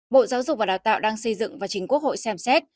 bộ giáo dục và đào tạo đang xây dựng và chính quốc hội xem xét